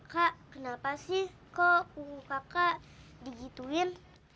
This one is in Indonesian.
kak kenapa sih kau kukuh kakak digituin